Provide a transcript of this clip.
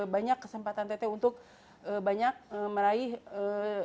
banyak kesempatan tete untuk banyak meraih